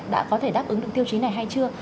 đã có thể đáp ứng được tiêu chí này hay chưa